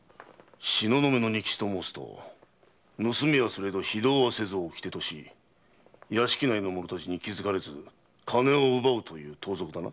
東雲の仁吉と申すと「盗みはすれど非道はせず」を掟とし屋敷内の者達に気づかれずに金を奪うという盗賊だな。